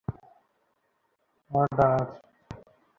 তোমার ডানা আছে!